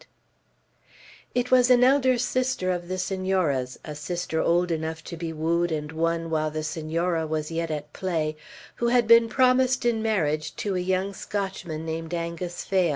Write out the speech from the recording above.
It was an elder sister of the Senora's, a sister old enough to be wooed and won while the Senora was yet at play, who had been promised in marriage to a young Scotchman named Angus Phail.